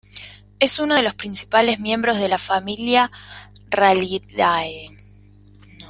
Es uno de los principales miembros de la familia "Rallidae".